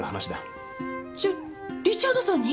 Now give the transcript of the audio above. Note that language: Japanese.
じゃリチャードソンに！？